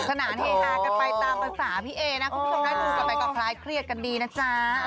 สนานเฮฮากันไปตามภาษาพี่เอนะคุณผู้ชมถ้าดูกันไปก็คล้ายเครียดกันดีนะจ๊ะ